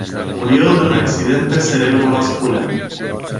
Murió de un accidente cerebrovascular.